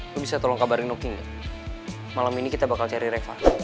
lo bisa tolong kabarin nocking gak malam ini kita bakal cari refah